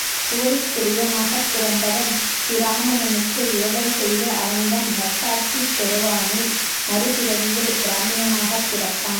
கூடித்திரியனாகப் பிறந்தவன் பிராமணனுக்கு ஏவல் செய்து அவனிடம் நற்சாட்சிப் பெறுவானேல் மறுபிறவியில் பிராமணனாகப் பிறப்பான்.